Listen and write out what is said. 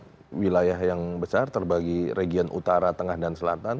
karena itu juga wilayah yang besar terbagi regian utara tengah dan selatan